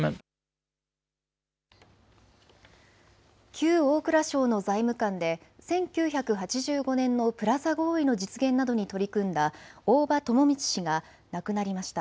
旧大蔵省の財務官で１９８５年のプラザ合意の実現などに取り組んだ大場智満氏が亡くなりました。